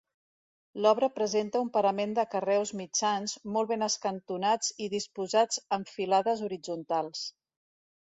L'obra presenta un parament de carreus mitjans, molt ben escantonats i disposats en filades horitzontals.